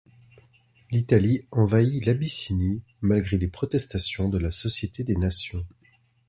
L’Italie envahit l’Abyssinie, malgré les protestations de la Société des Nations.